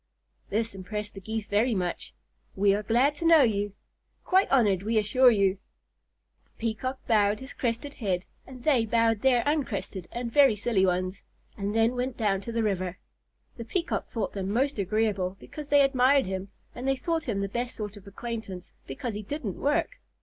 This impressed the Geese very much. "We are glad to know you. Quite honored, we assure you!" The Peacock bowed his crested head, and they bowed their uncrested and very silly ones, and then they went to the river. The Peacock thought them most agreeable, because they admired him, and they thought him the best sort of acquaintance, because he didn't work.